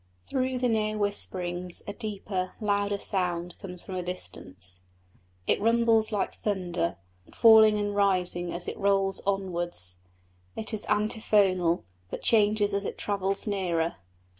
Through the near whisperings a deeper, louder sound comes from a distance. It rumbles like thunder, falling and rising as it rolls onwards; it is antiphonal, but changes as it travels nearer.